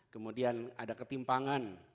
kemudian ada ketimpangan